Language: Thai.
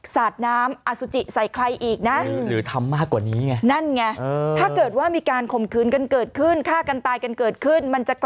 สาดน้ำอสุจิใส่ใครอีกนะ